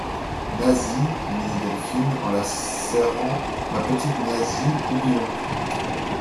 Nasie, lui dit Delphine en la serrant, ma petite Nasie, oublions tout.